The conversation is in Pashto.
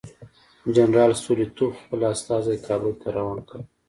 جنرال ستولیتوف خپل استازی کابل ته روان کړ.